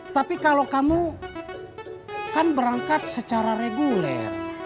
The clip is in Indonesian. tapi kalau kamu kan berangkat secara reguler